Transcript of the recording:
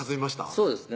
そうですね